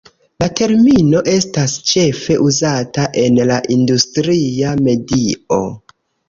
La termino estas ĉefe uzata en la industria medio.